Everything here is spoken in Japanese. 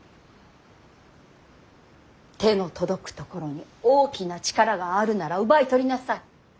手の届く所に大きな力があるなら奪い取りなさい。